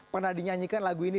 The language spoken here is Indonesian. pernah dinyanyikan lagu ini